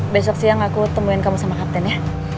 besok siang aku temuin kamu sama kapten ya